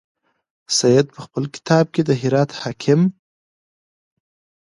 سید په خپل کتاب کې د هرات حاکم.